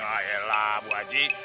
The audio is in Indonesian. nah yelah bu haji